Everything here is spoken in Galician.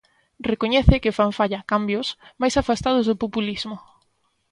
Recoñece que fan falla "cambios", mais afastados do "populismo".